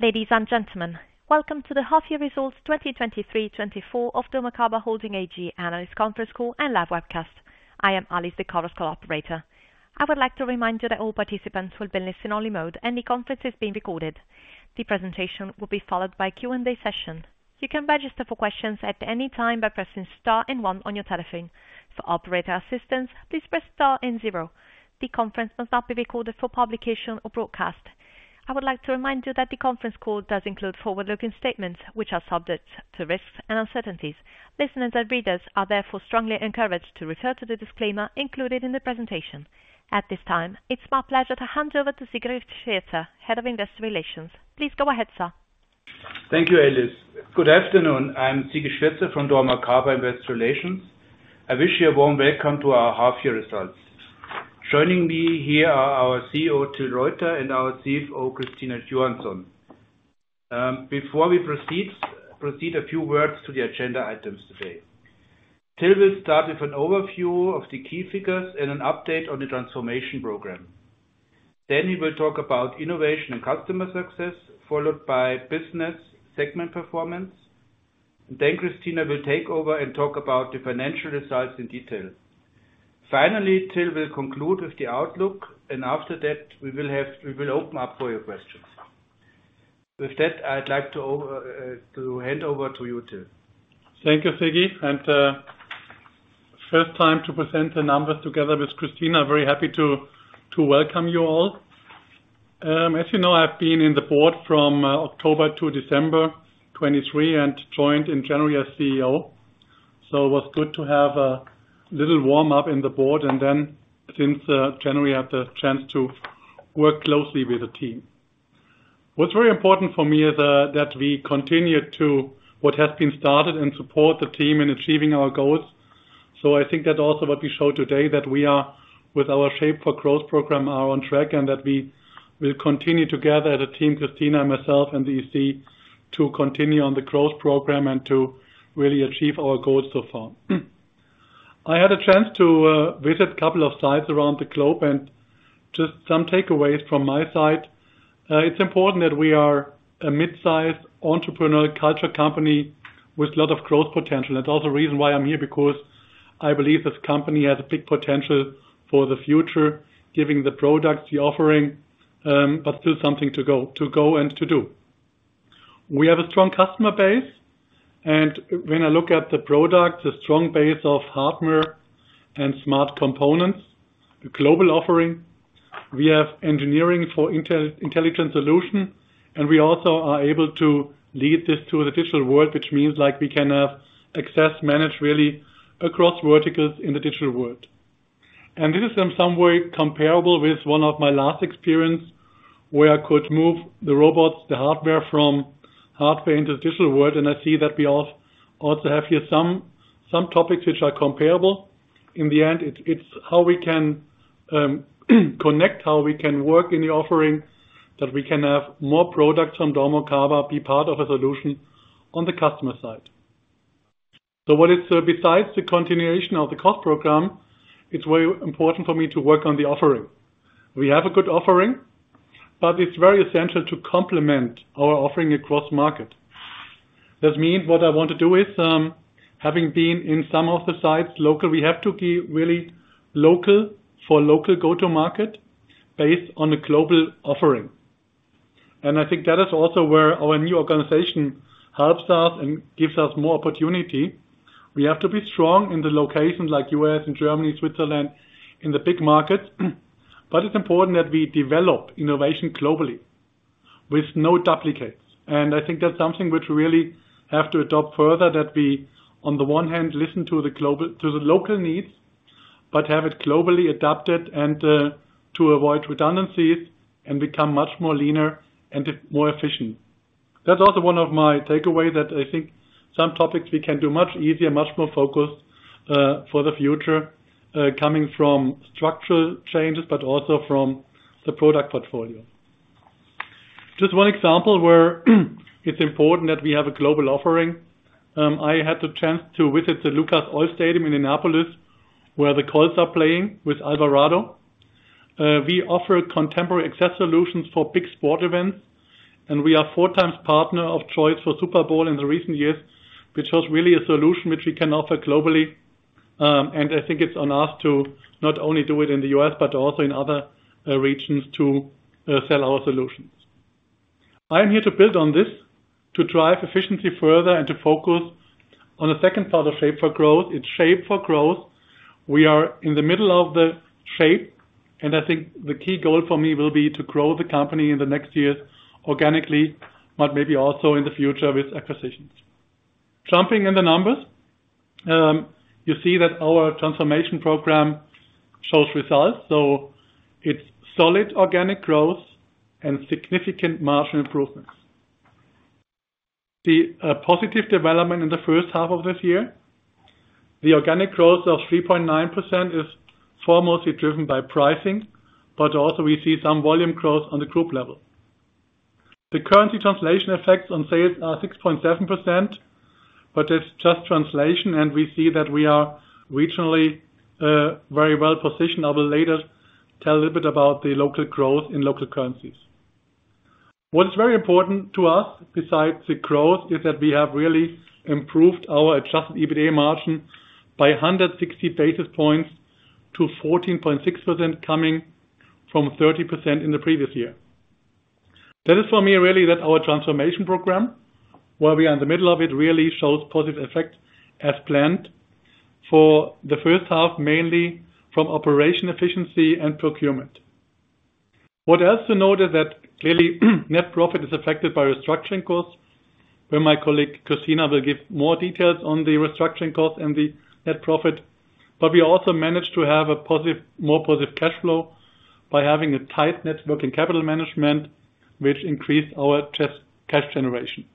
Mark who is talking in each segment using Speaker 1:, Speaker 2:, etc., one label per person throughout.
Speaker 1: Ladies and gentlemen, welcome to the Half Year Results 2023-24 of dormakaba Holding AG Analyst Conference Call and Live Webcast. I am Alice, the call's operator. I would like to remind you that all participants will be in listen-only mode, and the conference is being recorded. The presentation will be followed by a Q&A session. You can register for questions at any time by pressing star and one on your telephone. For operator assistance, please press star and zero. The conference must not be recorded for publication or broadcast. I would like to remind you that the conference call does include forward-looking statements, which are subject to risks and uncertainties. Listeners and readers are therefore strongly encouraged to refer to the disclaimer included in the presentation. At this time, it's my pleasure to hand over to Siegfried Schwirzer, Head of Investor Relations. Please go ahead, sir.
Speaker 2: Thank you, Alice. Good afternoon. I'm Siegfried Schwirzer from dormakaba Investor Relations. I wish you a warm welcome to our Half Year Results. Joining me here are our CEO, Till Reuter, and our CFO, Christina Johansson. Before we proceed, a few words to the agenda items today. Till will start with an overview of the key figures and an update on the transformation program. Then he will talk about innovation and customer success, followed by business segment performance. And then Christina will take over and talk about the financial results in detail. Finally, Till will conclude with the outlook, and after that, we will open up for your questions. With that, I'd like to hand over to you, Till.
Speaker 3: Thank you, Siggi. First time to present the numbers together with Christina. Very happy to welcome you all. As you know, I've been in the board from October to December 2023 and joined in January as CEO. So it was good to have a little warm-up in the board and then, since January, I had the chance to work closely with the team. What's very important for me is that we continue to what has been started and support the team in achieving our goals. So I think that also what we showed today, that we are with our Shape4Growth program, are on track, and that we will continue together as a team, Christina, myself, and the EC, to continue on the growth program and to really achieve our goals so far. I had a chance to visit a couple of sites around the globe and just some takeaways from my side. It's important that we are a midsize entrepreneurial culture company with a lot of growth potential. That's also the reason why I'm here, because I believe this company has a big potential for the future, given the products, the offering, but still something to go, to go and to do. We have a strong customer base. And when I look at the products, a strong base of hardware and smart components, a global offering. We have engineering for intelligent solutions. And we also are able to lead this to the digital world, which means, like, we can have access managed really across verticals in the digital world. This is, in some way, comparable with one of my last experiences where I could move the robots, the hardware, from hardware into the digital world. I see that we also have here some topics which are comparable. In the end, it's how we can connect, how we can work in the offering, that we can have more products from Dormakaba be part of a solution on the customer side. What is, besides the continuation of the cost program, very important for me to work on the offering. We have a good offering, but it's very essential to complement our offering across market. That means what I want to do is, having been in some of the sites local, we have to be really local for local go-to-market based on a global offering. And I think that is also where our new organization helps us and gives us more opportunity. We have to be strong in the locations, like U.S., in Germany, Switzerland, in the big markets. But it's important that we develop innovation globally with no duplicates. And I think that's something which we really have to adopt further, that we, on the one hand, listen to the global to the local needs, but have it globally adapted and, to avoid redundancies and become much more leaner and more efficient. That's also one of my takeaways, that I think some topics we can do much easier, much more focused, for the future, coming from structural changes but also from the product portfolio. Just one example where it's important that we have a global offering. I had the chance to visit the Lucas Oil Stadium in Indianapolis, where the Colts are playing with Alvarado. We offer contemporary access solutions for big sport events. We are four times partner of choice for Super Bowl in the recent years, which was really a solution which we can offer globally. I think it's on us to not only do it in the U.S. but also in other regions to sell our solutions. I am here to build on this, to drive efficiency further, and to focus on the second part of Shape4Growth. It's Shape4Growth. We are in the middle of the Shape. I think the key goal for me will be to grow the company in the next years organically, but maybe also in the future with acquisitions. Jumping in the numbers, you see that our transformation program shows results. So it's solid organic growth and significant marginal improvements. The positive development in the first half of this year, the organic growth of 3.9% is foremostly driven by pricing, but also we see some volume growth on the group level. The currency translation effects on sales are 6.7%, but it's just translation. And we see that we are regionally very well positioned. I will later tell a little bit about the local growth in local currencies. What is very important to us, besides the growth, is that we have really improved our adjusted EBITDA margin by 160 basis points to 14.6%, coming from 30% in the previous year. That is, for me, really our transformation program, where we are in the middle of it, really shows positive effects as planned for the first half, mainly from operation efficiency and procurement. What else to note is that clearly net profit is affected by restructuring costs, where my colleague, Christina, will give more details on the restructuring costs and the net profit. But we also managed to have a positive more positive cash flow by having a tight net working capital management, which increased our cash generation.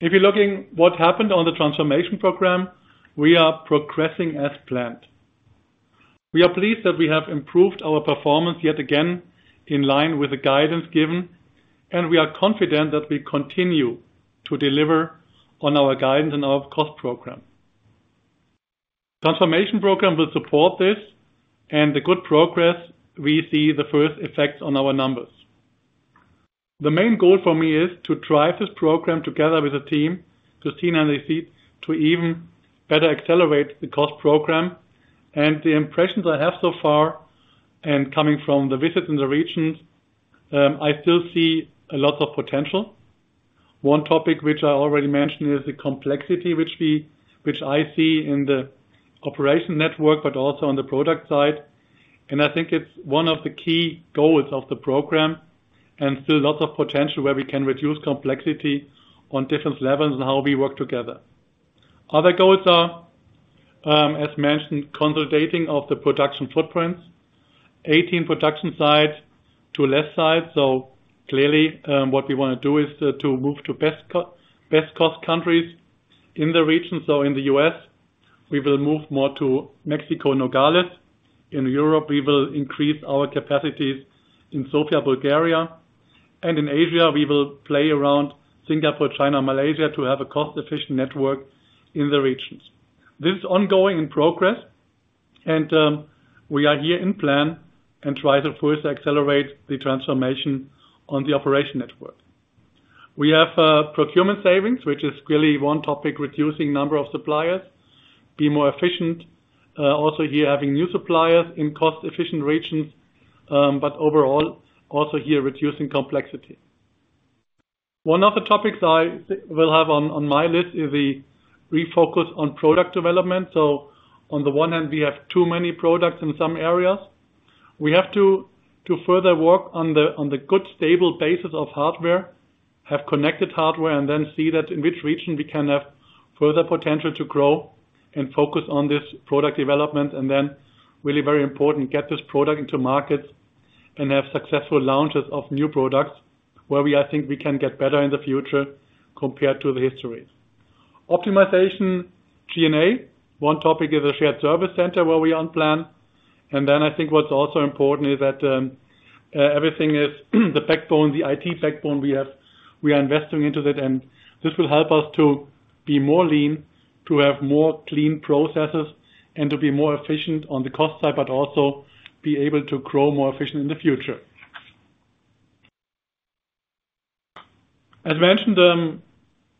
Speaker 3: If you're looking at what happened on the transformation program, we are progressing as planned. We are pleased that we have improved our performance yet again in line with the guidance given. And we are confident that we continue to deliver on our guidance and our cost program. The transformation program will support this. And the good progress, we see the first effects on our numbers. The main goal for me is to drive this program together with the team, Christina and the EC, to even better accelerate the cost program. The impressions I have so far, and coming from the visits in the regions, I still see a lot of potential. One topic which I already mentioned is the complexity which I see in the operation network but also on the product side. I think it's one of the key goals of the program. Still lots of potential where we can reduce complexity on different levels and how we work together. Other goals are, as mentioned, consolidating of the production footprints, 18 production sites to less sites. So clearly, what we want to do is to move to best cost countries in the region. So in the U.S., we will move more to Mexico and Nogales. In Europe, we will increase our capacities in Sofia, Bulgaria. In Asia, we will play around Singapore, China, and Malaysia to have a cost-efficient network in the regions. This is ongoing in progress. We are here in plan and try to further accelerate the transformation on the operation network. We have procurement savings, which is clearly one topic, reducing the number of suppliers, be more efficient, also here having new suppliers in cost-efficient regions, but overall, also here reducing complexity. One of the topics I will have on my list is the refocus on product development. So on the one hand, we have too many products in some areas. We have to further work on the good, stable basis of hardware, have connected hardware, and then see that in which region we can have further potential to grow and focus on this product development. And then, really very important, get this product into markets and have successful launches of new products where we, I think, we can get better in the future compared to the history. Optimization G&A, one topic is a shared service center where we are on plan. And then I think what's also important is that everything is the backbone, the IT backbone we have we are investing into that. And this will help us to be more lean, to have more clean processes, and to be more efficient on the cost side but also be able to grow more efficient in the future. As mentioned,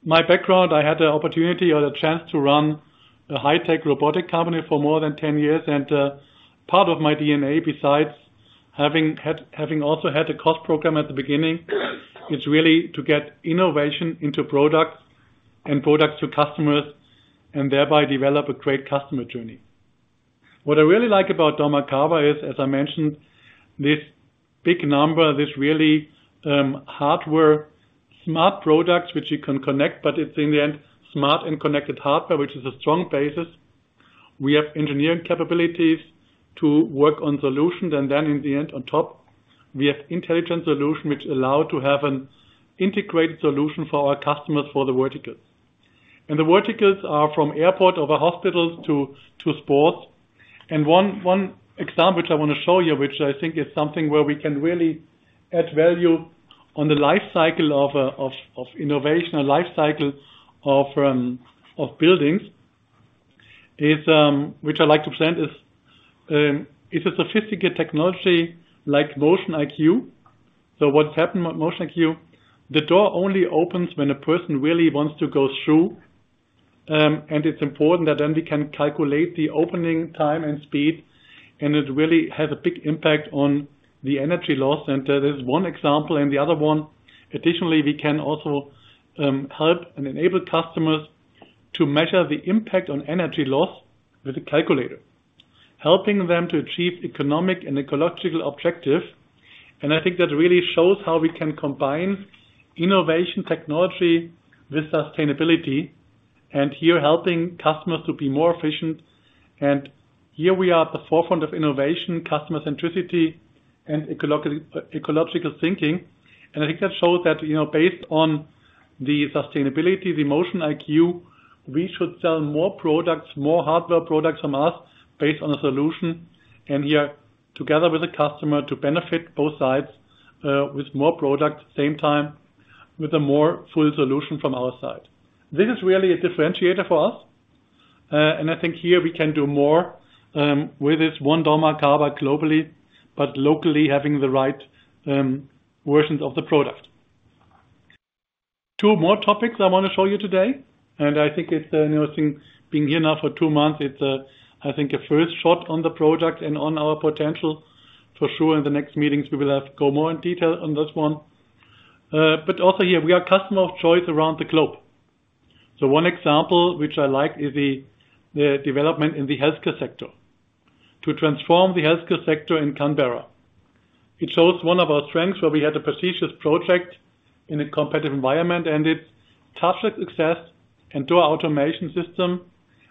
Speaker 3: my background, I had the opportunity or the chance to run a high-tech robotic company for more than 10 years. Part of my DNA, besides having also had a cost program at the beginning, is really to get innovation into products and products to customers and thereby develop a great customer journey. What I really like about Dormakaba is, as I mentioned, this big number, this really, hardware, smart products which you can connect, but it's in the end smart and connected hardware, which is a strong basis. We have engineering capabilities to work on solutions. And then in the end, on top, we have intelligent solutions which allow us to have an integrated solution for our customers for the verticals. And the verticals are from airports over hospitals to sports. One example which I want to show here, which I think is something where we can really add value on the life cycle of innovation, a life cycle of buildings, is which I like to present, it's a sophisticated technology like MotionIQ. So what's happened with MotionIQ? The door only opens when a person really wants to go through. And it's important that then we can calculate the opening time and speed. And it really has a big impact on the energy loss. And there's one example. And the other one, additionally, we can also help and enable customers to measure the impact on energy loss with a calculator, helping them to achieve economic and ecological objectives. And I think that really shows how we can combine innovation, technology, with sustainability, and here helping customers to be more efficient. Here we are at the forefront of innovation, customer centricity, and ecological thinking. I think that shows that, you know, based on the sustainability, the MotionIQ, we should sell more products, more hardware products from us based on a solution, and here together with a customer to benefit both sides, with more products at the same time with a more full solution from our side. This is really a differentiator for us. I think here we can do more, with this one dormakaba globally but locally having the right versions of the product. Two more topics I want to show you today. I think it's interesting being here now for two months. It's, I think, a first shot on the product and on our potential for sure. In the next meetings, we will have go more in detail on this one. but also here, we are a customer of choice around the globe. So one example which I like is the development in the healthcare sector, to transform the healthcare sector in Canberra. It shows one of our strengths where we had a prestigious project in a competitive environment. And it's Touchless Access and Door Automation System,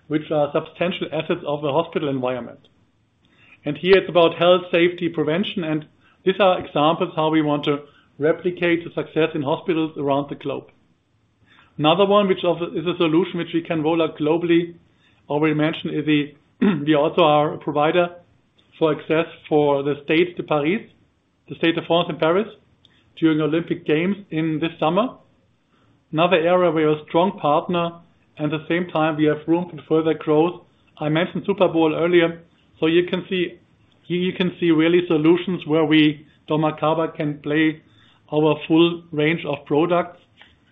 Speaker 3: which are substantial assets of the hospital environment. And here, it's about health, safety, prevention. And these are examples of how we want to replicate the success in hospitals around the globe. Another one which is a solution which we can roll out globally, or we mentioned, is the we also are a provider for access for the State, the Paris, the State of France and Paris during the Olympic Games in this summer. Another area where we are a strong partner. And at the same time, we have room for further growth. I mentioned Super Bowl earlier. So you can see here you can see really solutions where we Dormakaba can play our full range of products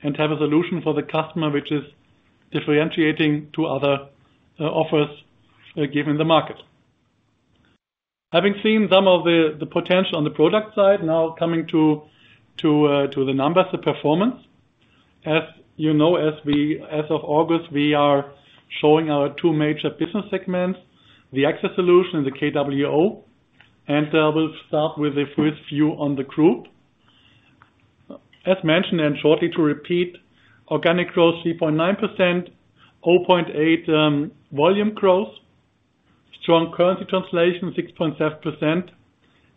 Speaker 3: and have a solution for the customer which is differentiating to other offers given in the market. Having seen some of the potential on the product side, now coming to the numbers, the performance, as you know, as of August, we are showing our two major business segments, the Access Solutions and the Key & Wall Solutions. We'll start with the first view on the group. As mentioned, shortly to repeat, organic growth 3.9%, 0.8% volume growth, strong currency translation 6.7%.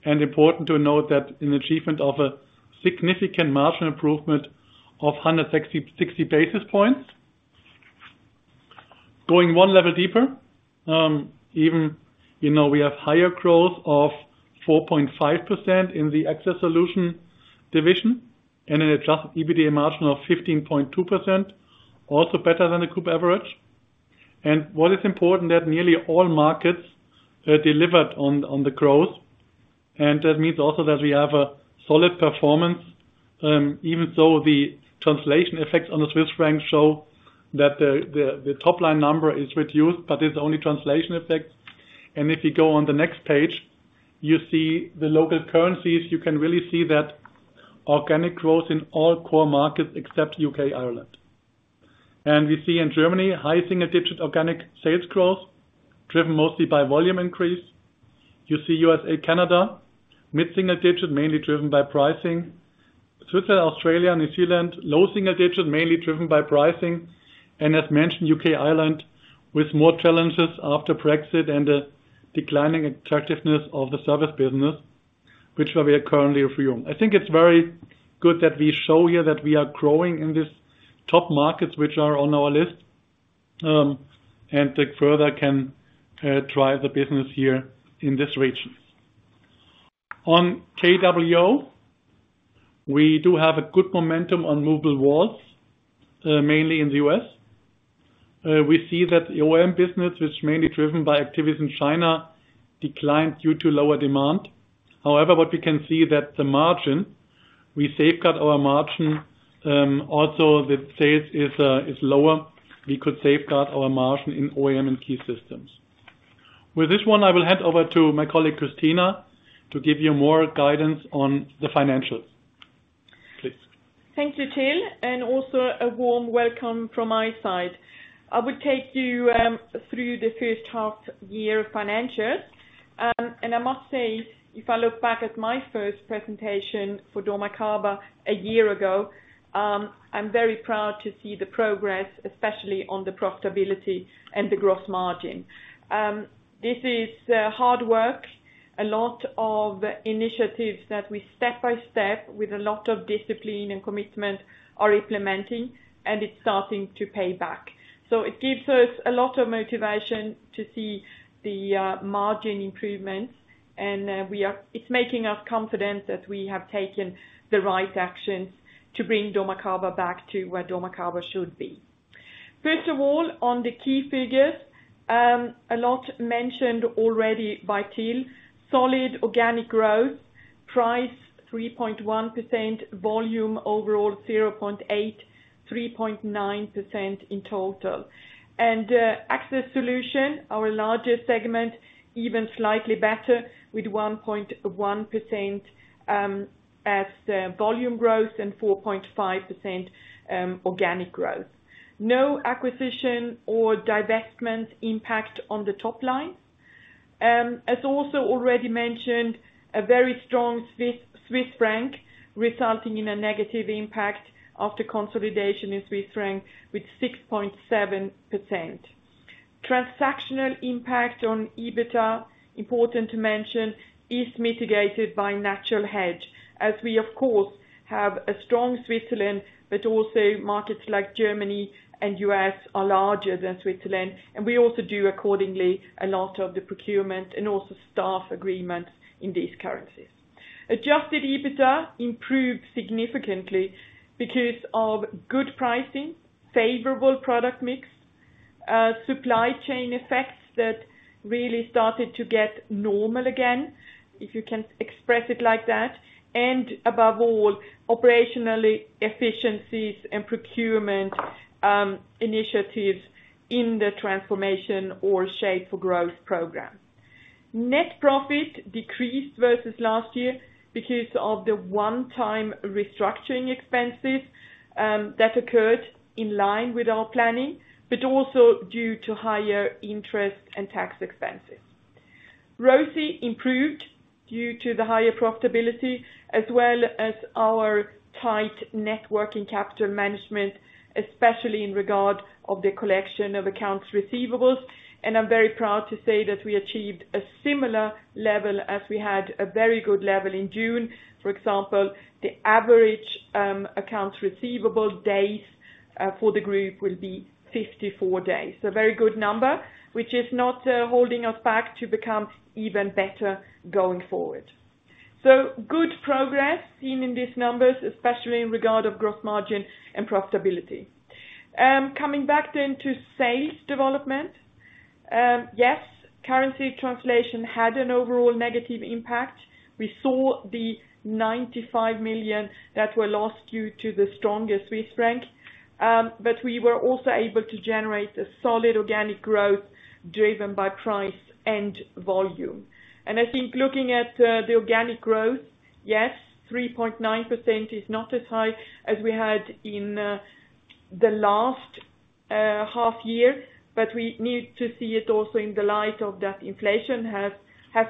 Speaker 3: And important to note that in achievement of a significant margin improvement of 160 basis points. Going one level deeper, even, you know, we have higher growth of 4.5% in the Access Solutions division and an adjusted EBITDA margin of 15.2%, also better than the group average. What is important is that nearly all markets delivered on the growth. That means also that we have a solid performance, even though the translation effects on the Swiss franc show that the top line number is reduced, but it's only translation effects. If you go on the next page, you see the local currencies, you can really see that organic growth in all core markets except U.K., Ireland. We see in Germany high single-digit organic sales growth driven mostly by volume increase. You see USA, Canada, mid-single digit mainly driven by pricing. Switzerland, Australia, and New Zealand, low single digit mainly driven by pricing. As mentioned, U.K., Ireland with more challenges after Brexit and the declining attractiveness of the service business, which we are currently reviewing. I think it's very good that we show here that we are growing in these top markets which are on our list, and that further can drive the business here in this region. On KWO, we do have a good momentum on mobile walls, mainly in the U.S. We see that the OEM business, which is mainly driven by activities in China, declined due to lower demand. However, what we can see is that the margin, we safeguard our margin, also the sales is lower. We could safeguard our margin in OEM and key systems. With this one, I will hand over to my colleague, Christina, to give you more guidance on the financials. Please.
Speaker 4: Thank you, Till. Also a warm welcome from my side. I will take you through the first half year of financials. And I must say, if I look back at my first presentation for Dormakaba a year ago, I'm very proud to see the progress, especially on the profitability and the gross margin. This is hard work, a lot of initiatives that we step by step with a lot of discipline and commitment are implementing. And it's starting to pay back. So it gives us a lot of motivation to see the margin improvements. And we are. It's making us confident that we have taken the right actions to bring dormakaba back to where dormakaba should be. First of all, on the key figures, a lot mentioned already by Till, solid organic growth, price 3.1%, volume overall 0.8%, 3.9% in total. And Access Solutions, our largest segment, even slightly better with 1.1% as volume growth and 4.5% organic growth. No acquisition or divestment impact on the top line. As also already mentioned, a very strong Swiss franc resulting in a negative impact after consolidation in Swiss franc with 6.7%. Transactional impact on EBITDA, important to mention, is mitigated by natural hedge as we, of course, have a strong Switzerland, but also markets like Germany and US are larger than Switzerland. And we also do accordingly a lot of the procurement and also staff agreements in these currencies. Adjusted EBITDA improved significantly because of good pricing, favorable product mix, supply chain effects that really started to get normal again, if you can express it like that, and above all, operational efficiencies and procurement initiatives in the transformation or Shape for Growth program. Net profit decreased versus last year because of the one-time restructuring expenses, that occurred in line with our planning but also due to higher interest and tax expenses. ROCE improved due to the higher profitability as well as our tight net working capital management, especially in regard of the collection of accounts receivables. I'm very proud to say that we achieved a similar level as we had a very good level in June. For example, the average accounts receivable days for the group will be 54 days. A very good number which is not holding us back to become even better going forward. Good progress seen in these numbers, especially in regard of gross margin and profitability. Coming back then to sales development, yes, currency translation had an overall negative impact. We saw the 95 million that were lost due to the stronger Swiss franc. But we were also able to generate a solid organic growth driven by price and volume. And I think looking at the organic growth, yes, 3.9% is not as high as we had in the last half year. But we need to see it also in the light of that inflation has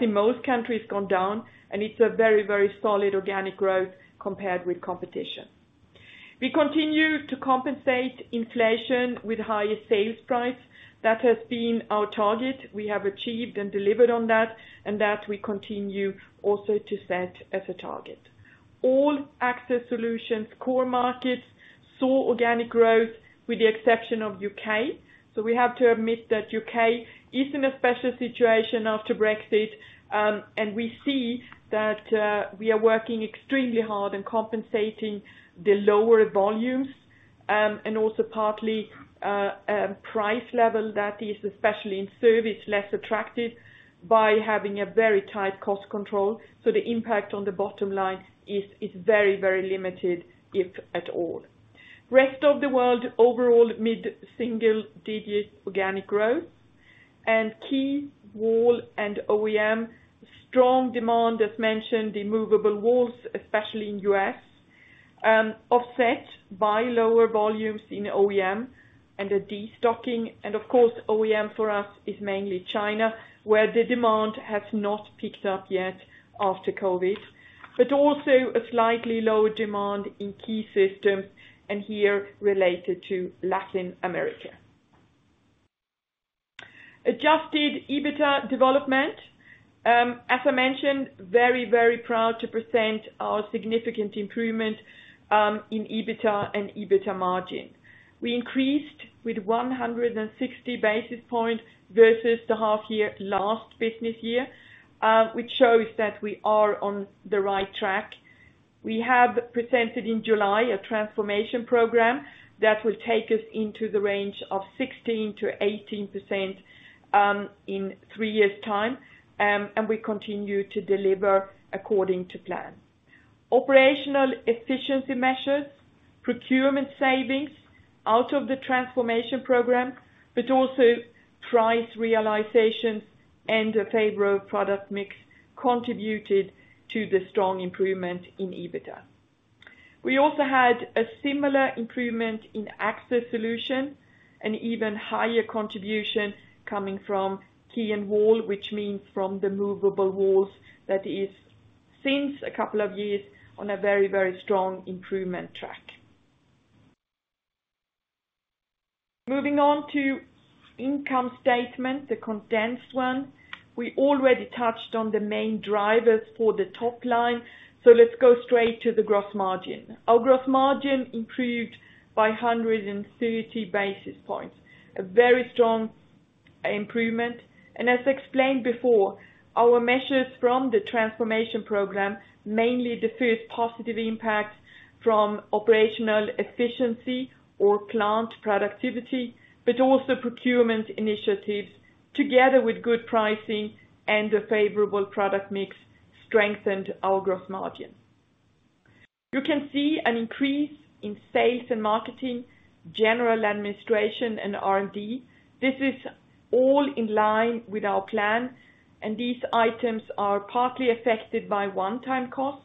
Speaker 4: in most countries gone down. And it's a very, very solid organic growth compared with competition. We continue to compensate inflation with higher sales price. That has been our target. We have achieved and delivered on that. And that we continue also to set as a target. All Access Solutions core markets saw organic growth with the exception of U.K. So we have to admit that U.K. is in a special situation after Brexit. And we see that we are working extremely hard and compensating the lower volumes, and also partly price level that is especially in service less attractive by having a very tight cost control. So the impact on the bottom line is, is very, very limited if at all. Rest of the world overall mid-single-digit organic growth. And Key Wall and OEM, strong demand as mentioned, the movable walls, especially in U.S., offset by lower volumes in OEM and a destocking. And of course, OEM for us is mainly China where the demand has not picked up yet after COVID but also a slightly lower demand in Key Systems and here related to Latin America. Adjusted EBITDA development, as I mentioned, very, very proud to present our significant improvement, in EBITDA and EBITDA margin. We increased with 160 basis points versus the half year last business year, which shows that we are on the right track. We have presented in July a transformation program that will take us into the range of 16%-18%, in three years' time. And we continue to deliver according to plan. Operational efficiency measures, procurement savings out of the transformation program but also price realizations and a favorable product mix contributed to the strong improvement in EBITDA. We also had a similar improvement in access solution and even higher contribution coming from key and wall, which means from the movable walls that is since a couple of years on a very, very strong improvement track. Moving on to income statement, the condensed one, we already touched on the main drivers for the top line. So let's go straight to the gross margin. Our gross margin improved by 130 basis points, a very strong improvement. And as explained before, our measures from the transformation program mainly diffuse positive impact from operational efficiency or plant productivity but also procurement initiatives together with good pricing and a favorable product mix strengthened our gross margin. You can see an increase in sales and marketing, general administration, and R&D. This is all in line with our plan. These items are partly affected by one-time cost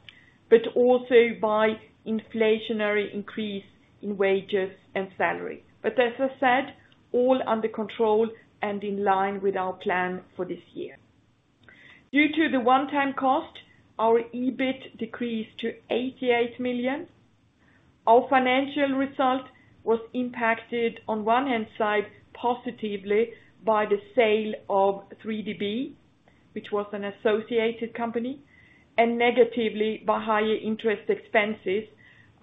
Speaker 4: but also by inflationary increase in wages and salary. As I said, all under control and in line with our plan for this year. Due to the one-time cost, our EBIT decreased to 88 million. Our financial result was impacted on one-hand side positively by the sale of 3DB, which was an associated company, and negatively by higher interest expenses.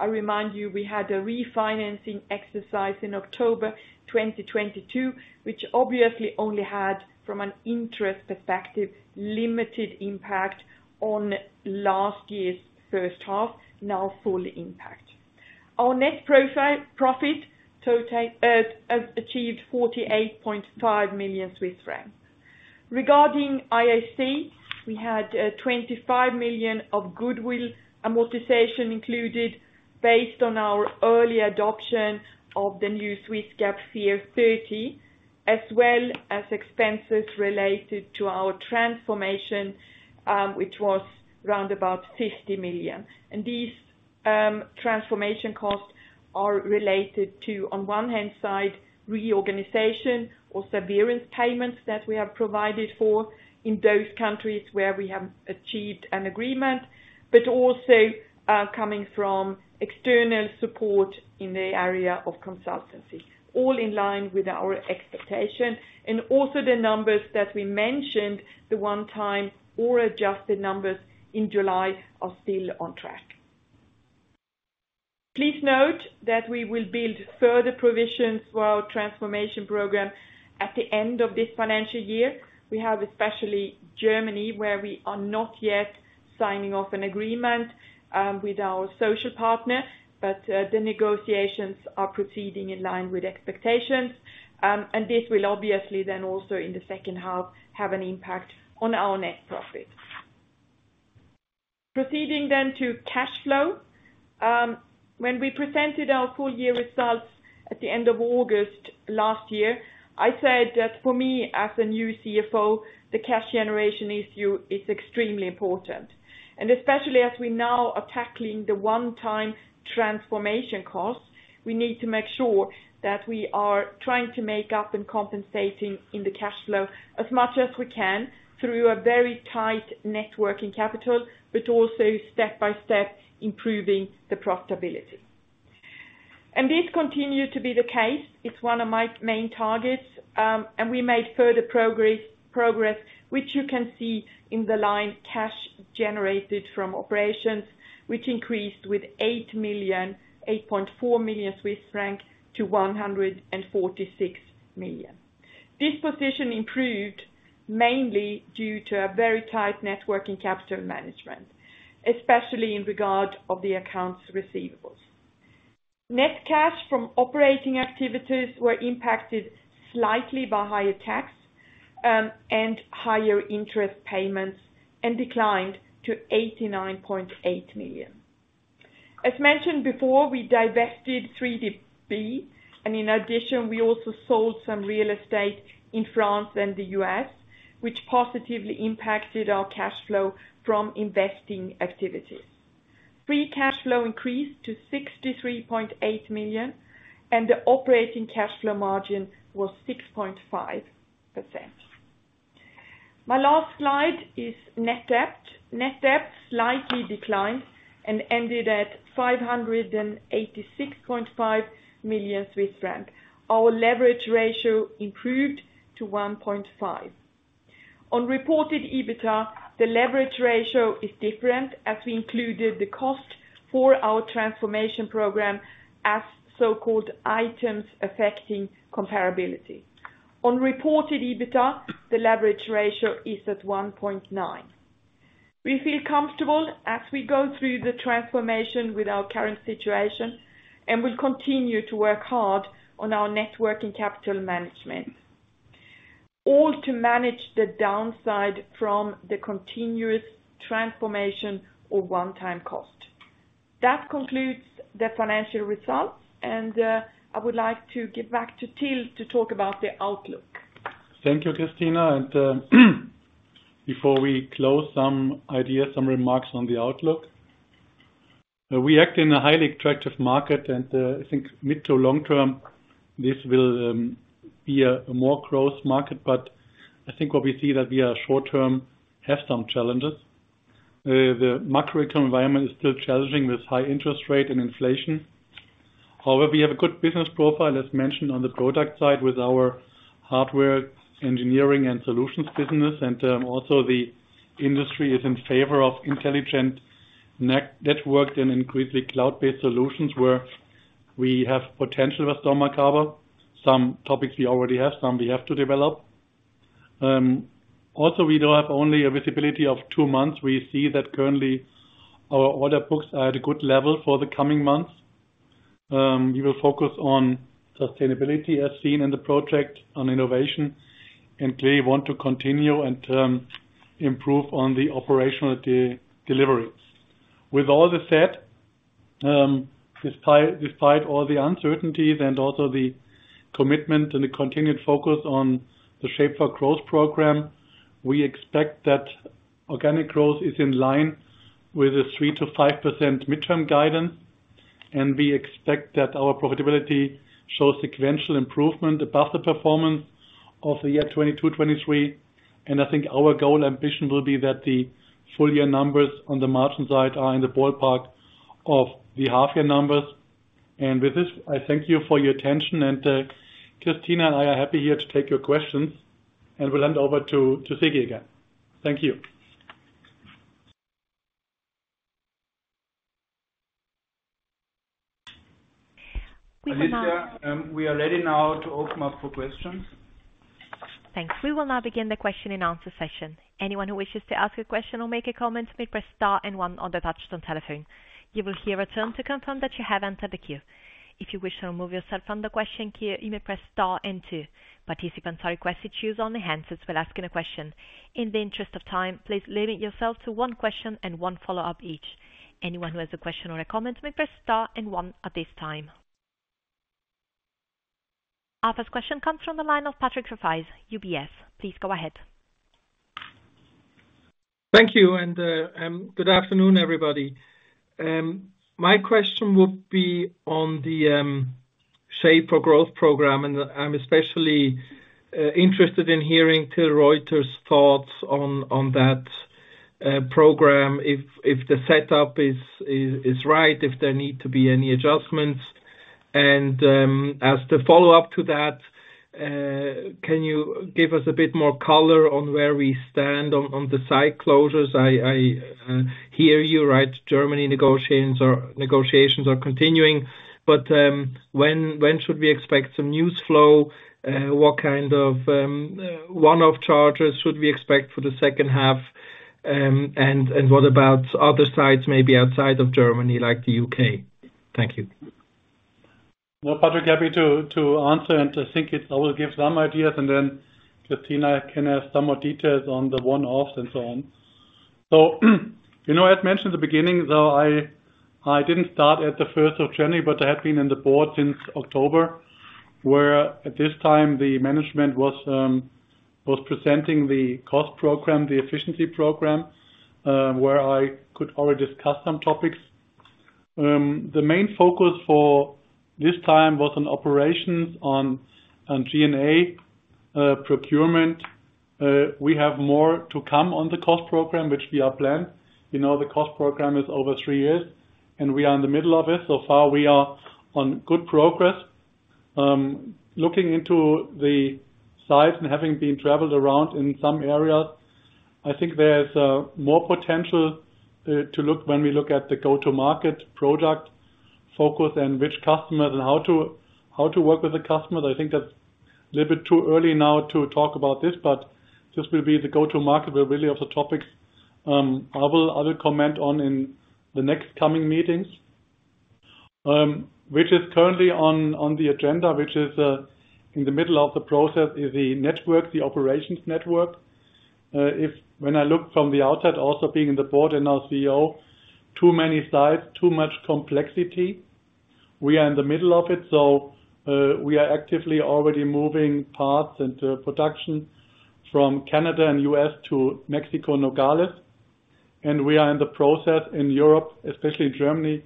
Speaker 4: I remind you we had a refinancing exercise in October 2022, which obviously only had, from an interest perspective, limited impact on last year's first half, now fully impact. Our net profit total achieved 48.5 million Swiss francs. Regarding IAC, we had 25 million of goodwill amortization included based on our early adoption of the new Swiss GAAP FER 30 as well as expenses related to our transformation, which was round about 50 million. These transformation costs are related to on one-hand side reorganization or severance payments that we have provided for in those countries where we have achieved an agreement but also coming from external support in the area of consultancy, all in line with our expectation. Also the numbers that we mentioned, the one-time or adjusted numbers in July, are still on track. Please note that we will build further provisions for our transformation program at the end of this financial year. We have especially Germany where we are not yet signing off an agreement with our social partner. The negotiations are proceeding in line with expectations. This will obviously then also in the second half have an impact on our net profit. Proceeding then to cash flow, when we presented our full-year results at the end of August last year, I said that for me as a new CFO, the cash generation issue is extremely important. And especially as we now are tackling the one-time transformation costs, we need to make sure that we are trying to make up and compensating in the cash flow as much as we can through a very tight net working capital but also step by step improving the profitability. And this continued to be the case. It's one of my main targets. And we made further progress, progress which you can see in the line cash generated from operations, which increased with 8 million, 8.4 million Swiss franc to 146 million. This position improved mainly due to a very tight working capital management, especially with regard to the accounts receivable. Net cash from operating activities were impacted slightly by higher tax, and higher interest payments and declined to 89.8 million. As mentioned before, we divested 3DB. In addition, we also sold some real estate in France and the U.S., which positively impacted our cash flow from investing activities. Free cash flow increased to 63.8 million. The operating cash flow margin was 6.5%. My last slide is net debt. Net debt slightly declined and ended at 586.5 million Swiss francs. Our leverage ratio improved to 1.5. On reported EBITDA, the leverage ratio is different as we included the cost for our transformation program as so-called items affecting comparability. On reported EBITDA, the leverage ratio is at 1.9. We feel comfortable as we go through the transformation with our current situation and will continue to work hard on our net working capital management, all to manage the downside from the continuous transformation or one-time costs. That concludes the financial results. I would like to give back to Till to talk about the outlook.
Speaker 3: Thank you, Christina. Before we close, some ideas, some remarks on the outlook. We act in a highly attractive market. I think mid- to long-term, this will be a more growth market. But I think what we see is that short-term we have some challenges. The macroeconomic environment is still challenging with high interest rates and inflation. However, we have a good business profile, as mentioned, on the product side with our hardware engineering and solutions business. Also, the industry is in favor of intelligent, networked and increasingly cloud-based solutions where we have potential with strong market, some topics we already have, some we have to develop. Also, we do have only a visibility of two months. We see that currently our order books are at a good level for the coming months. We will focus on sustainability as seen in the project, on innovation, and clearly want to continue and improve on the operational delivery. With all this said, despite all the uncertainties and also the commitment and the continued focus on the Shape4Growth program, we expect that organic growth is in line with 3%-5% mid-term guidance. And we expect that our profitability shows sequential improvement above the performance of the year 2022, 2023. I think our goal ambition will be that the full-year numbers on the margin side are in the ballpark of the half-year numbers. With this, I thank you for your attention. Christina and I are happy here to take your questions. We'll hand over to Siggi again. Thank you. We will now. Alicia, we are ready now to open up for questions.
Speaker 1: Thanks. We will now begin the question and answer session. Anyone who wishes to ask a question or make a comment may press star and one on the touch-tone telephone. You will hear a tone to confirm that you have entered the queue. If you wish to remove yourself from the question queue, you may press star and two. Participants are requested to use only handsets while asking a question. In the interest of time, please limit yourself to one question and one follow-up each. Anyone who has a question or a comment may press star and one at this time. Our first question comes from the line of Patrick Rafaisz, UBS. Please go ahead.
Speaker 5: Thank you. Good afternoon, everybody. My question would be on the Shape for Growth program. And I'm especially interested in hearing Till Reuter's thoughts on that program, if the setup is right, if there need to be any adjustments. And as the follow-up to that, can you give us a bit more color on where we stand on the site closures? I hear you, right? Germany negotiations are continuing. But when should we expect some news flow? What kind of one-off charges should we expect for the second half? And what about other sites maybe outside of Germany like the U.K.?
Speaker 3: Thank you. No, Patrick, happy to answer. And I think it's I will give some ideas. And then Christina, can I have some more details on the one-offs and so on? So, you know, as mentioned at the beginning, though, I didn't start at the 1st of January, but I had been in the board since October where at this time, the management was presenting the cost program, the efficiency program, where I could already discuss some topics. The main focus for this time was on operations, on G&A, procurement. We have more to come on the cost program, which we are planned. You know, the cost program is over three years. We are in the middle of it. So far, we are on good progress. Looking into the sites and having been traveled around in some areas, I think there's more potential to look when we look at the go-to-market product focus and which customers and how to work with the customers. I think that's a little bit too early now to talk about this. But this will be the go-to-market will really of the topics I will comment on in the next coming meetings, which is currently on the agenda, which is in the middle of the process: the network, the operations network. If, when I look from the outside also being in the board and now CEO, too many sites, too much complexity. We are in the middle of it. So, we are actively already moving parts and production from Canada and U.S. to Mexico, Nogales. We are in the process in Europe, especially Germany,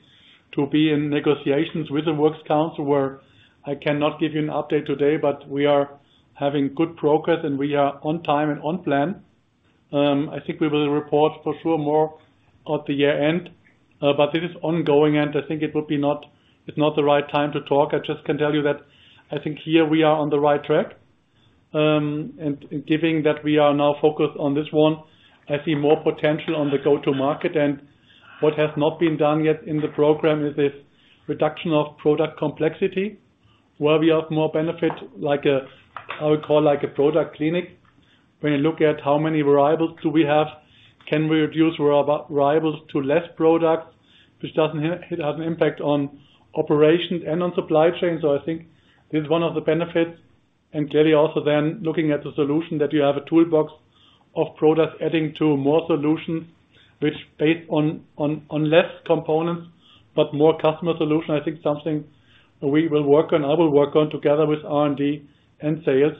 Speaker 3: to be in negotiations with the works council where I cannot give you an update today. But we are having good progress. And we are on time and on plan. I think we will report for sure more at the year-end. But this is ongoing. And I think it would be not, it's not the right time to talk. I just can tell you that I think here we are on the right track. And given that we are now focused on this one, I see more potential on the go-to-market. And what has not been done yet in the program is this reduction of product complexity where we have more benefit like a, I would call like a product clinic. When you look at how many variables do we have, can we reduce variables to less products, which doesn't have an impact on operations and on supply chain. So I think this is one of the benefits. And clearly also then looking at the solution that you have a toolbox of products adding to more solutions, which based on on less components but more customer solution, I think something we will work on. I will work on together with R&D and sales.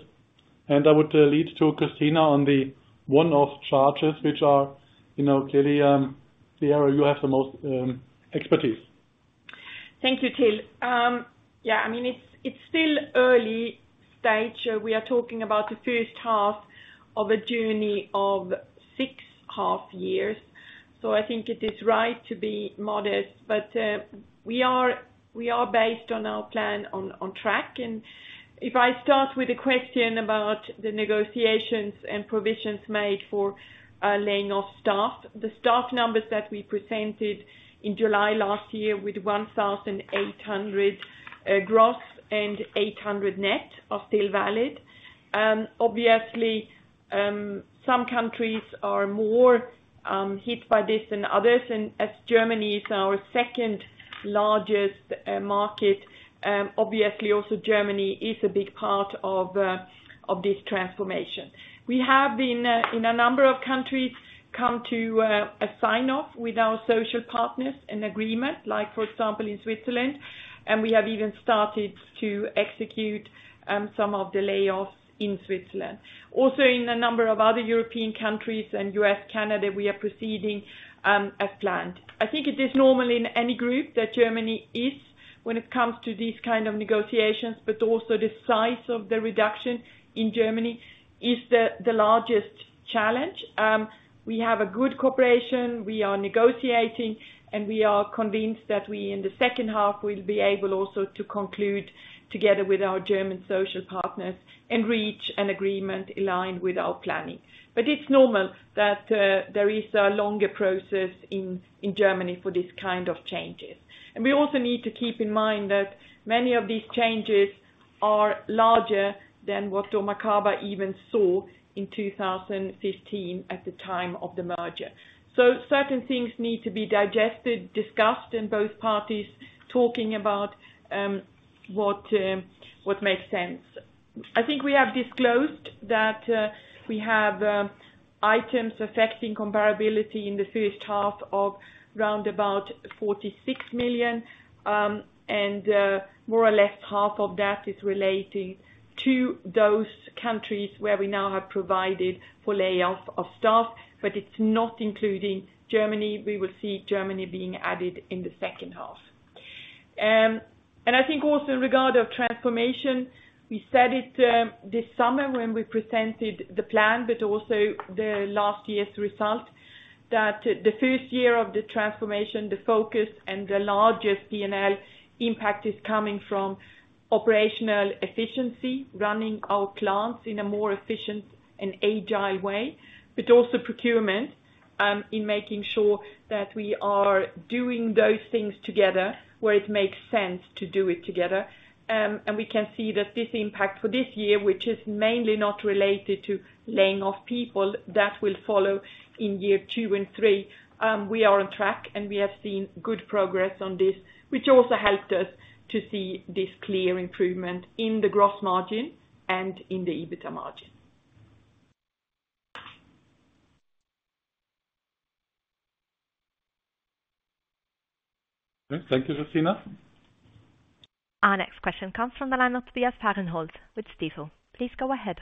Speaker 3: And I would lead to Christina on the one-off charges, which are, you know, clearly the area you have the most expertise.
Speaker 4: Thank you, Till. Yeah, I mean, it's still early stage. We are talking about the first half of a journey of six half years. So I think it is right to be modest. But we are based on our plan on track. And if I start with a question about the negotiations and provisions made for laying off staff, the staff numbers that we presented in July last year with 1,800 gross and 800 net are still valid. Obviously, some countries are more hit by this than others. And as Germany is our second largest market, obviously, also Germany is a big part of this transformation. We have in a number of countries come to a sign-off with our social partners an agreement, like for example, in Switzerland. And we have even started to execute some of the layoffs in Switzerland. Also in a number of other European countries and U.S., Canada, we are proceeding as planned. I think it is normal in any group that Germany is when it comes to these kind of negotiations. But also the size of the reduction in Germany is the largest challenge. We have a good cooperation. We are negotiating. And we are convinced that we in the second half will be able also to conclude together with our German social partners and reach an agreement aligned with our planning. But it's normal that there is a longer process in Germany for this kind of changes. And we also need to keep in mind that many of these changes are larger than what Dormakaba even saw in 2015 at the time of the merger. So certain things need to be digested, discussed, and both parties talking about what makes sense. I think we have disclosed that we have Items Affecting Comparability in the first half of round about 46 million. More or less half of that is relating to those countries where we now have provided for layoff of staff. But it's not including Germany. We will see Germany being added in the second half. I think also in regard of transformation, we said it, this summer when we presented the plan but also the last year's result that the first year of the transformation, the focus, and the largest P&L impact is coming from operational efficiency, running our clients in a more efficient and agile way, but also procurement, in making sure that we are doing those things together where it makes sense to do it together. We can see that this impact for this year, which is mainly not related to laying off people that will follow in year two and three, we are on track. We have seen good progress on this, which also helped us to see this clear improvement in the gross margin and in the EBITDA margin. Okay.
Speaker 3: Thank you, Christina.
Speaker 1: Our next question comes from the line of Tobias Fahrenholz with Stifel. Please go ahead.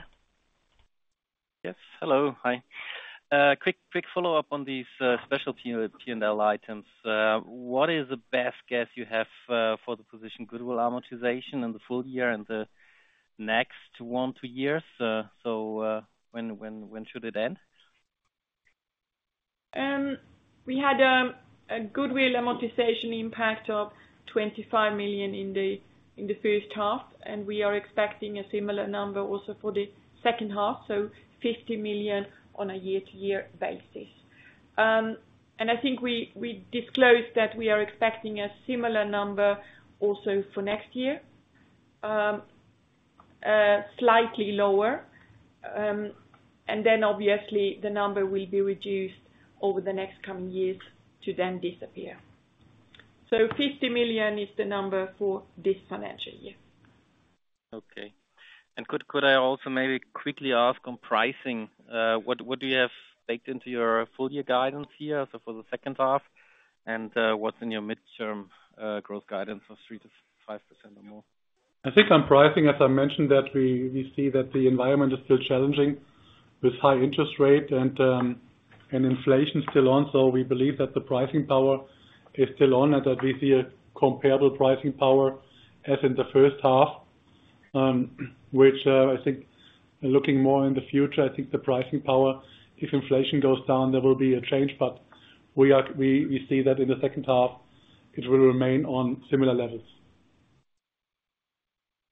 Speaker 6: Yes. Hello. Hi. quick, quick follow-up on these special P&L items. What is the best guess you have for the position Goodwill amortization in the full year and the next one, two years? So, when, when, when should it end?
Speaker 4: We had a Goodwill amortization impact of 25 million in the first half. We are expecting a similar number also for the second half, so 50 million on a year-over-year basis. I think we disclosed that we are expecting a similar number also for next year, slightly lower. and then obviously, the number will be reduced over the next coming years to then disappear. So 50 million is the number for this financial year.
Speaker 6: Okay. Could, could I also maybe quickly ask on pricing? What, what do you have baked into your full-year guidance here also for the second half? What's in your midterm, gross guidance of 3%-5% or more?
Speaker 3: I think on pricing, as I mentioned, that we, we see that the environment is still challenging with high interest rate and, and inflation still on. So we believe that the pricing power is still on and that we see a comparable pricing power as in the first half, which, I think looking more in the future, I think the pricing power if inflation goes down, there will be a change. But we see that in the second half, it will remain on similar levels.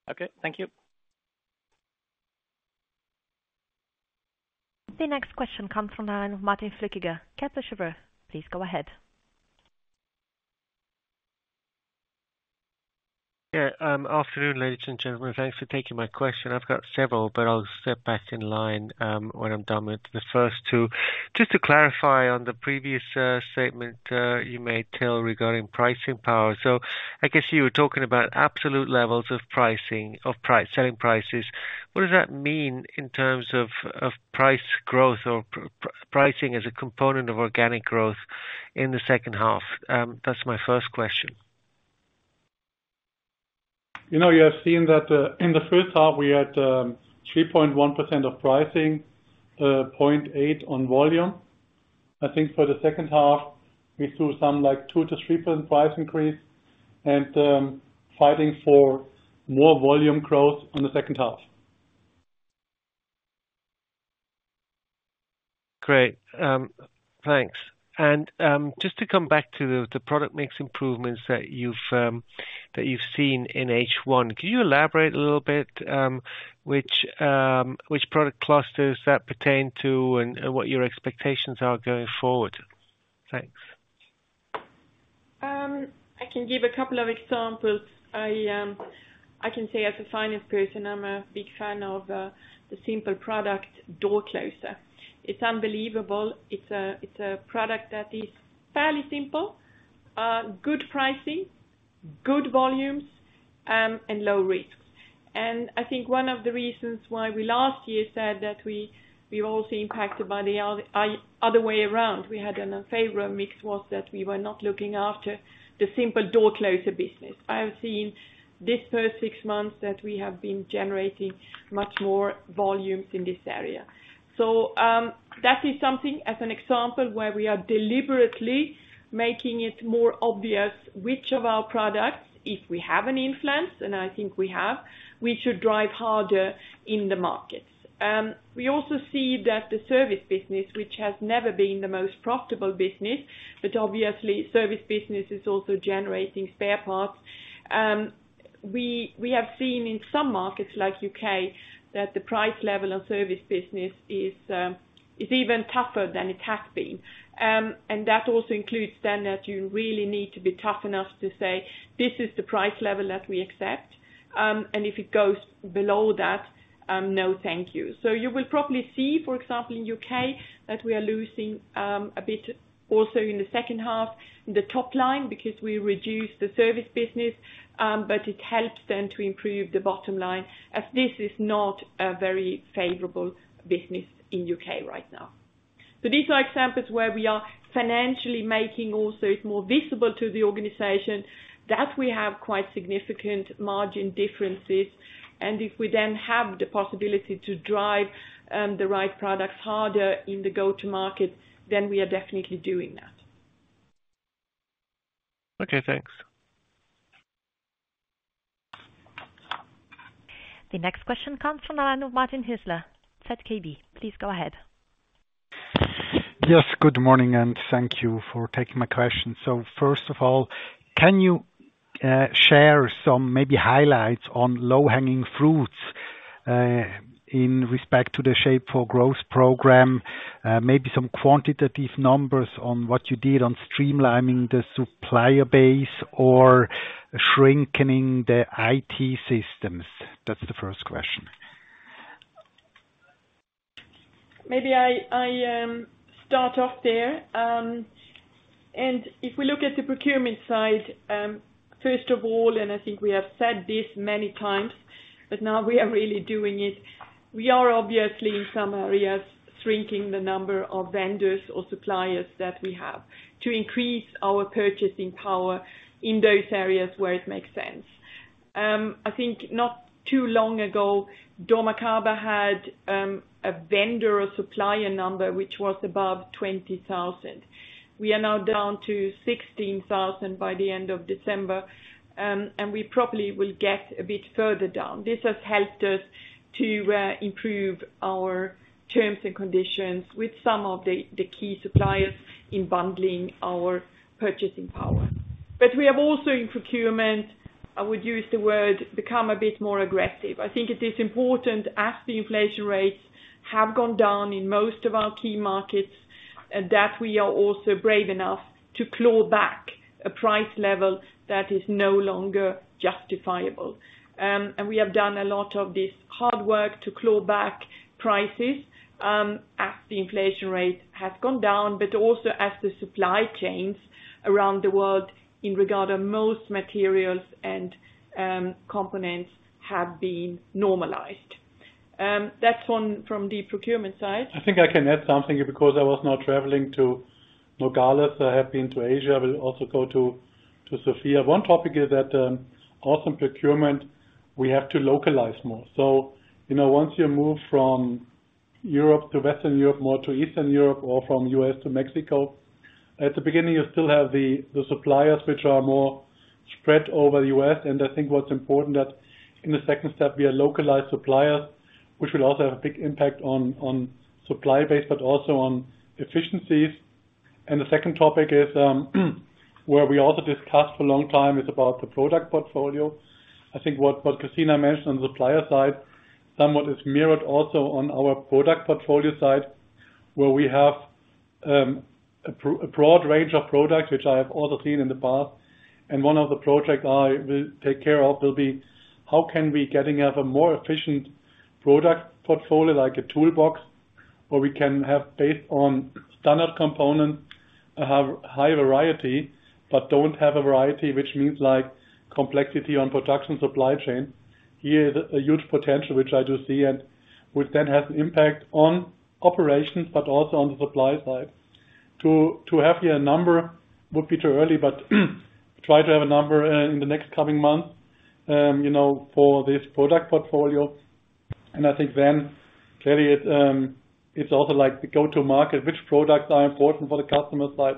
Speaker 6: Okay. Thank you.
Speaker 1: The next question comes from the line of Martin Flückiger, Kepler Cheuvreux. Please go ahead.
Speaker 7: Yeah. Good afternoon, ladies and gentlemen. Thanks for taking my question. I've got several. But I'll step back in line when I'm done with the first two. Just to clarify on the previous statement you made, Till, regarding pricing power. So I guess you were talking about absolute levels of pricing of price selling prices. What does that mean in terms of price growth or pricing as a component of organic growth in the second half? That's my first question.
Speaker 3: You know, you have seen that in the first half, we had 3.1% of pricing, 0.8 on volume. I think for the second half, we saw some like 2%-3% price increase and, fighting for more volume growth on the second half.
Speaker 7: Great. Thanks. And, just to come back to the, the product mix improvements that you've, that you've seen in H1, could you elaborate a little bit, which, which product clusters that pertain to and, and what your expectations are going forward? Thanks.
Speaker 4: I can give a couple of examples. I, I can say as a finance person, I'm a big fan of, the simple product door closer. It's unbelievable. It's a it's a product that is fairly simple, good pricing, good volumes, and low risks. And I think one of the reasons why we last year said that we, we were also impacted by the other way around. We had an unfavorable mix was that we were not looking after the simple door closer business. I have seen this first six months that we have been generating much more volumes in this area. So, that is something as an example where we are deliberately making it more obvious which of our products if we have an influence - and I think we have - we should drive harder in the markets. We also see that the service business, which has never been the most profitable business, but obviously, service business is also generating spare parts, we have seen in some markets like U.K. that the price level on service business is even tougher than it has been. and that also includes then that you really need to be tough enough to say, "This is the price level that we accept." And if it goes below that, no, thank you. So you will probably see, for example, in UK that we are losing a bit also in the second half in the top line because we reduce the service business. But it helps then to improve the bottom line as this is not a very favorable business in UK right now. So these are examples where we are financially making also it more visible to the organization that we have quite significant margin differences. And if we then have the possibility to drive the right products harder in the go-to-market, then we are definitely doing that. Okay. Thanks. The next question comes from the line of Martin Hüsler, ZKB. Please go ahead. Yes. Good morning.
Speaker 8: Thank you for taking my question. So first of all, can you share some maybe highlights on low-hanging fruits, in respect to the Shape4Growth program, maybe some quantitative numbers on what you did on streamlining the supplier base or shrinking the IT systems? That's the first question. Maybe I start off there. If we look at the procurement side, first of all, and I think we have said this many times, but now we are really doing it, we are obviously, in some areas, shrinking the number of vendors or suppliers that we have to increase our purchasing power in those areas where it makes sense. I think not too long ago, Dormakaba had a vendor or supplier number which was above 20,000. We are now down to 16,000 by the end of December. And we probably will get a bit further down. This has helped us to improve our terms and conditions with some of the key suppliers in bundling our purchasing power. But we have also in procurement, I would use the word, become a bit more aggressive. I think it is important as the inflation rates have gone down in most of our key markets and that we are also brave enough to claw back a price level that is no longer justifiable. And we have done a lot of this hard work to claw back prices, as the inflation rate has gone down but also as the supply chains around the world in regard to most materials and components have been normalized. That's one from the procurement side. I think I can add something because I was now traveling to Nogales.
Speaker 3: I have been to Asia. I will also go to Sofia. One topic is that, also in procurement, we have to localize more. So, you know, once you move from Europe to Western Europe more to Eastern Europe or from U.S. to Mexico, at the beginning, you still have the, the suppliers which are more spread over the U.S. And I think what's important that in the second step, we are localized suppliers, which will also have a big impact on, on supply base but also on efficiencies. And the second topic is, where we also discussed for a long time is about the product portfolio. I think what, what Christina mentioned on the supplier side somewhat is mirrored also on our product portfolio side where we have, a broad range of products which I have also seen in the past. One of the projects I will take care of will be, how can we getting have a more efficient product portfolio like a toolbox where we can have based on standard components, have high variety but don't have a variety which means like complexity on production supply chain. Here is a huge potential which I do see and which then has an impact on operations but also on the supply side. To have here a number would be too early. But try to have a number, in the next coming months, you know, for this product portfolio. And I think then clearly it's also like the go-to-market, which products are important for the customer side.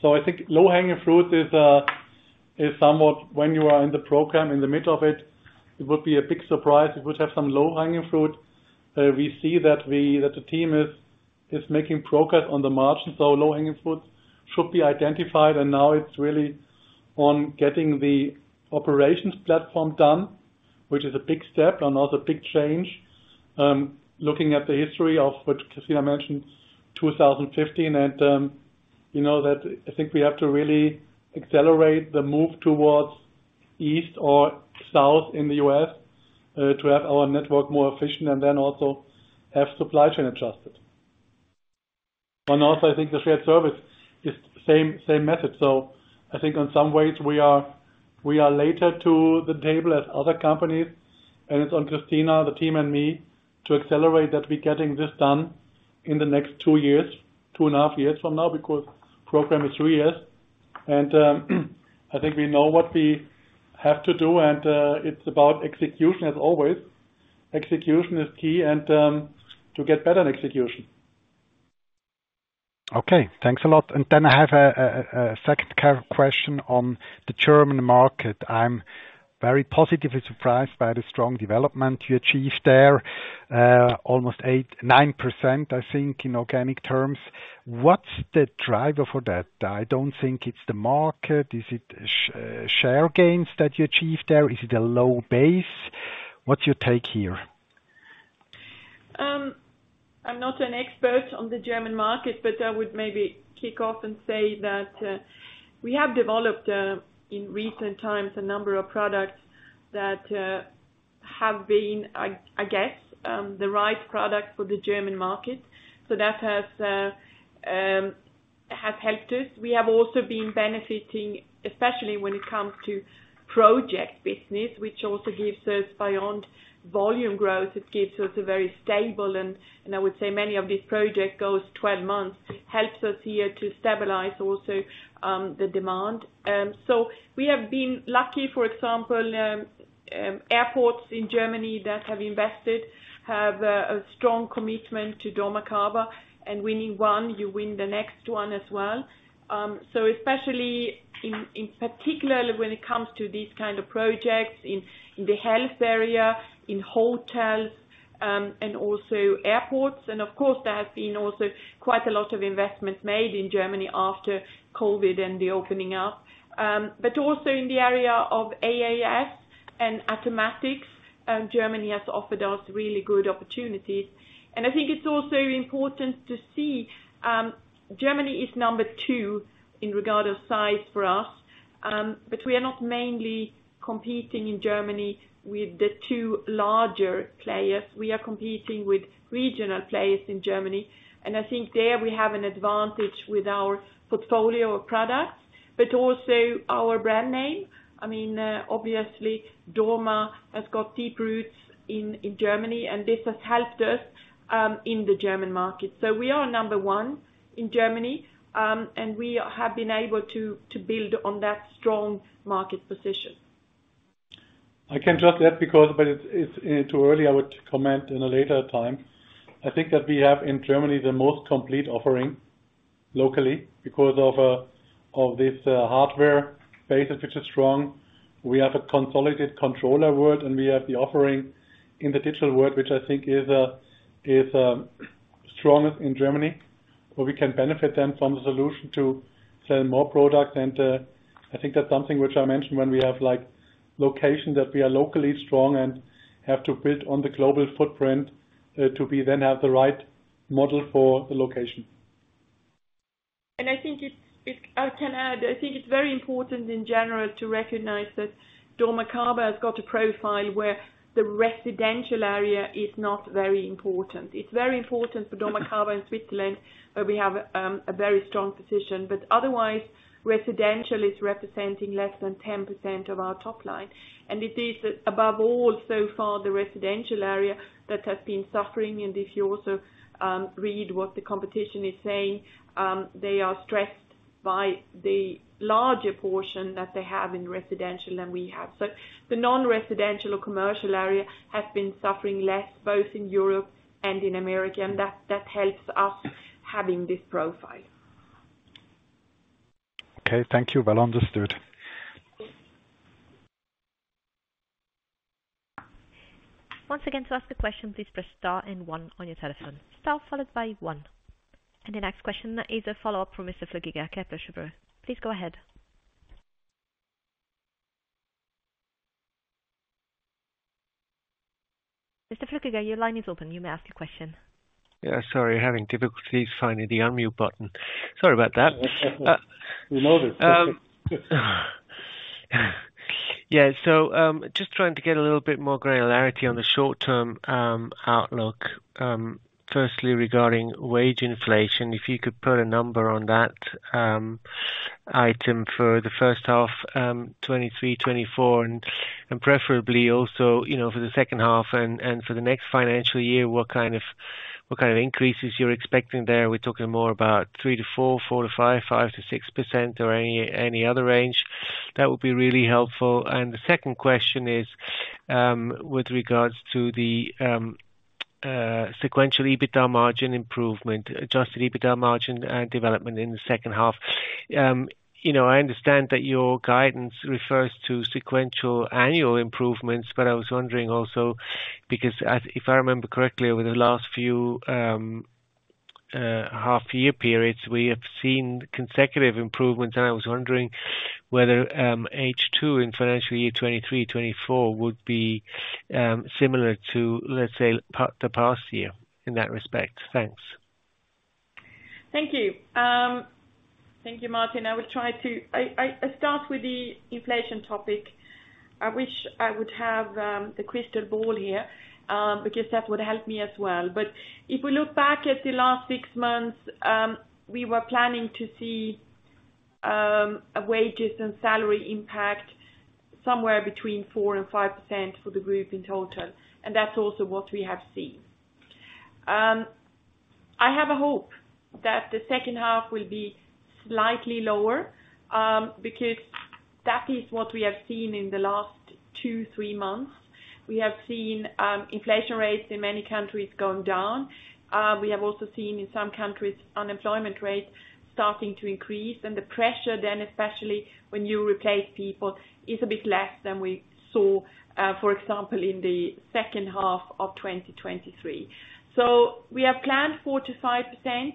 Speaker 3: So I think low-hanging fruit is somewhat when you are in the program in the middle of it, it would be a big surprise. You would have some low-hanging fruit. We see that the team is making progress on the margin. So low-hanging fruit should be identified. And now it's really on getting the operations platform done, which is a big step and also a big change, looking at the history of which Christina mentioned, 2015. And, you know, that I think we have to really accelerate the move towards east or south in the US, to have our network more efficient and then also have supply chain adjusted. And also, I think the shared service is same, same message. So I think in some ways, we are later to the table as other companies. And it's on Christina, the team, and me to accelerate that we're getting this done in the next two years, two and half years from now because program is three years. I think we know what we have to do. It's about execution as always. Execution is key. To get better in execution.
Speaker 7: Okay. Thanks a lot. Then I have a second question on the German market. I'm very positively surprised by the strong development you achieved there, almost 8%-9%, I think, in organic terms. What's the driver for that? I don't think it's the market. Is it share gains that you achieved there? Is it a low base? What's your take here?
Speaker 4: I'm not an expert on the German market. But I would maybe kick off and say that we have developed, in recent times, a number of products that have been, I guess, the right product for the German market. So that has helped us. We have also been benefiting, especially when it comes to project business, which also gives us beyond volume growth. It gives us a very stable and I would say many of these projects goes 12 months, helps us here to stabilize also the demand. So we have been lucky. For example, airports in Germany that have invested have a strong commitment to Dormakaba. And winning one, you win the next one as well. So especially in particularly when it comes to these kind of projects in the health area, in hotels, and also airports. And of course, there has been also quite a lot of investment made in Germany after COVID and the opening up. But also in the area of AS and automatics, Germany has offered us really good opportunities. I think it's also important to see, Germany is number two in regard to size for us. But we are not mainly competing in Germany with the two larger players. We are competing with regional players in Germany. And I think there, we have an advantage with our portfolio of products but also our brand name. I mean, obviously, Dorma has got deep roots in Germany. And this has helped us in the German market. So we are number one in Germany, and we have been able to build on that strong market position.
Speaker 3: I can just add, but it's too early. I would comment in a later time. I think that we have in Germany the most complete offering locally because of this hardware basis which is strong. We have a consolidated controller world. And we have the offering in the digital world which I think is strongest in Germany where we can benefit then from the solution to sell more products. And I think that's something which I mentioned when we have, like, location that we are locally strong and have to build on the global footprint, to be then have the right model for the location.
Speaker 4: And I think it's I can add. I think it's very important in general to recognize that Swiss market has got a profile where the residential area is not very important. It's very important for Swiss market in Switzerland where we have a very strong position. But otherwise, residential is representing less than 10% of our top line. And it is, above all so far, the residential area that has been suffering. If you also read what the competition is saying, they are stressed by the larger portion that they have in residential than we have. So the non-residential or commercial area has been suffering less both in Europe and in America. And that, that helps us having this profile. Okay. Thank you. Well understood.
Speaker 1: Once again, to ask a question, please press star and one on your telephone. Star followed by one. And the next question is a follow-up from Mr. Flückiger, Kepler Cheuvreux. Please go ahead. Mr. Flückiger, your line is open. You may ask your question.
Speaker 8: Yeah. Sorry. Having difficulties finding the unmute button. Sorry about that. We know this. Yeah. So, just trying to get a little bit more granularity on the short-term outlook, firstly regarding wage inflation. If you could put a number on that, item for the first half, 2023, 2024, and, and preferably also, you know, for the second half and, and for the next financial year, what kind of what kind of increases you're expecting there. We're talking more about 3%-4%, 4%-5%, 5%-6% or any, any other range. That would be really helpful. And the second question is, with regards to the, sequential EBITDA margin improvement, adjusted EBITDA margin and development in the second half. You know, I understand that your guidance refers to sequential annual improvements. But I was wondering also because as if I remember correctly, over the last few, half-year periods, we have seen consecutive improvements. And I was wondering whether, H2 in financial year 2023/24 would be, similar to, let's say, past year in that respect. Thanks. Thank you.
Speaker 4: Thank you, Martin. I will try to start with the inflation topic. I wish I would have the crystal ball here, because that would help me as well. But if we look back at the last six months, we were planning to see a wages and salary impact somewhere between 4%-5% for the group in total. And that's also what we have seen. I have a hope that the second half will be slightly lower, because that is what we have seen in the last two, three months. We have seen inflation rates in many countries going down. We have also seen in some countries unemployment rates starting to increase. And the pressure then, especially when you replace people, is a bit less than we saw, for example, in the second half of 2023. We have planned 4%-5%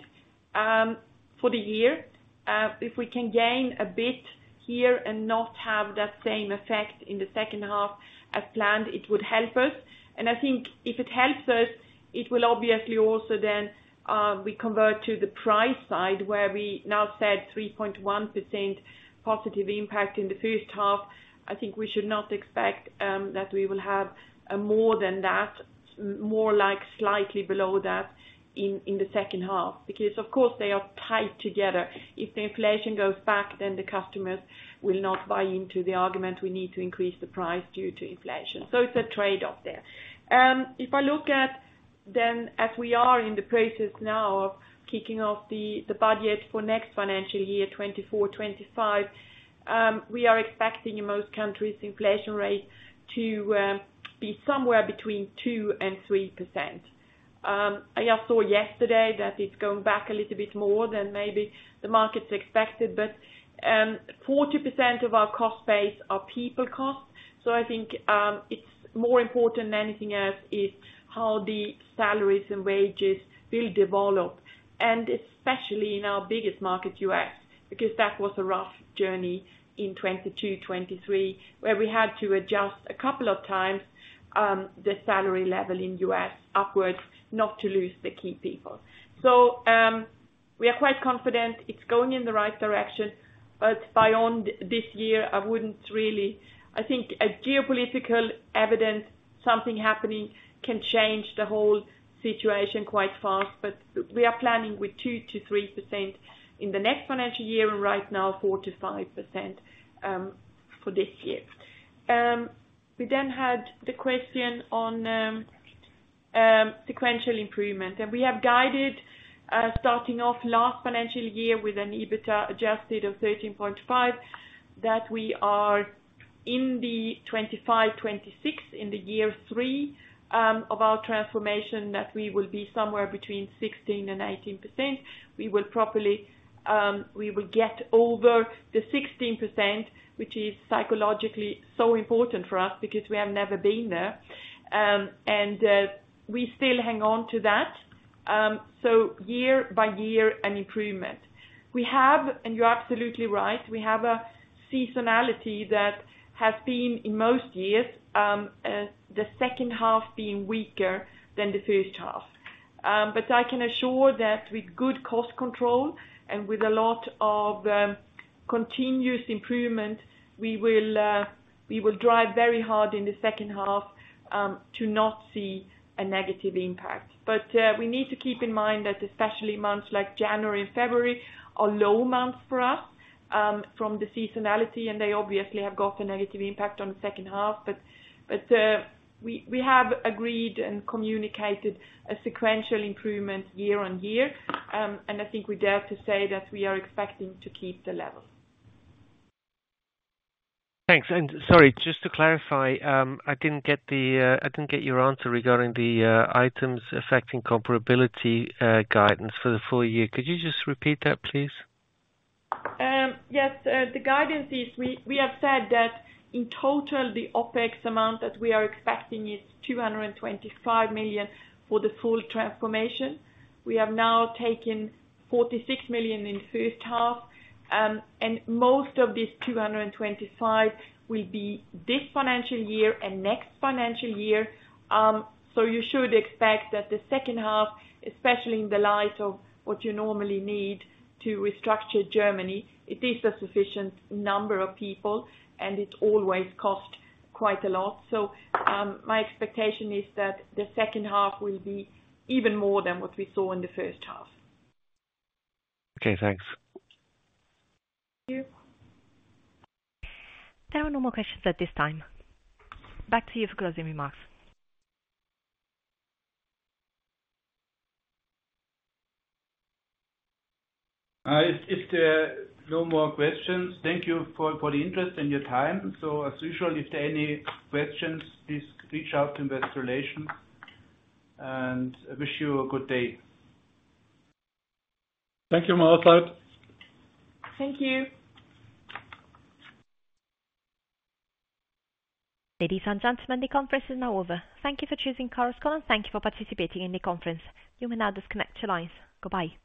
Speaker 4: for the year. If we can gain a bit here and not have that same effect in the second half as planned, it would help us. I think if it helps us, it will obviously also then, we convert to the price side where we now said 3.1% positive impact in the first half. I think we should not expect, that we will have, more than that, more like slightly below that in the second half because, of course, they are tied together. If the inflation goes back, then the customers will not buy into the argument we need to increase the price due to inflation. It's a trade-off there. If I look at then as we are in the process now of kicking off the budget for next financial year 2024, 2025, we are expecting in most countries inflation rate to be somewhere between 2%-3%. I just saw yesterday that it's going back a little bit more than maybe the markets expected. But 40% of our cost base are people cost. So I think it's more important than anything else is how the salaries and wages will develop, and especially in our biggest market, U.S., because that was a rough journey in 2022, 2023 where we had to adjust a couple of times the salary level in U.S. upwards not to lose the key people. So we are quite confident it's going in the right direction. But beyond this year, I wouldn't really, I think a geopolitical event, something happening can change the whole situation quite fast. But we are planning with 2%-3% in the next financial year and right now, 4%-5%, for this year. We then had the question on sequential improvement. We have guided, starting off last financial year with an adjusted EBITDA of 13.5% that we are in the 2025, 2026, in the year three, of our transformation that we will be somewhere between 16%-18%. We will probably, we will get over the 16% which is psychologically so important for us because we have never been there. And we still hang on to that, so year by year, an improvement. We have, and you're absolutely right. We have a seasonality that has been in most years, the second half being weaker than the first half. But I can assure that with good cost control and with a lot of continuous improvement, we will drive very hard in the second half, to not see a negative impact. But we need to keep in mind that especially months like January and February are low months for us, from the seasonality. They obviously have got a negative impact on the second half. But we have agreed and communicated a sequential improvement year-on-year. I think we dare to say that we are expecting to keep the level.
Speaker 7: Thanks. Sorry, just to clarify, I didn't get your answer regarding the Items Affecting Comparability guidance for the full year. Could you just repeat that, please? Yes.
Speaker 3: The guidance is we have said that in total, the OpEx amount that we are expecting is 225 million for the full transformation. We have now taken 46 million in the first half. Most of this 225 will be this financial year and next financial year. You should expect that the second half, especially in the light of what you normally need to restructure Germany, it is a sufficient number of people. It always costs quite a lot. My expectation is that the second half will be even more than what we saw in the first half.
Speaker 7: Okay. Thanks.
Speaker 4: Thank you.
Speaker 1: There were no more questions at this time. Back to you for closing remarks. It's no more questions.
Speaker 3: Thank you for the interest and your time. So as usual, if there are any questions, please reach out to Investor Relations. I wish you a good day.
Speaker 2: Thank you, Marcelette.
Speaker 4: Thank you.
Speaker 1: Ladies and gentlemen, the conference is now over. Thank you for choosingChorus Call. Thank you for participating in the conference. You may now disconnect your lines. Goodbye.